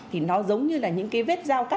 thì nó giống như là những cái vết dao cắt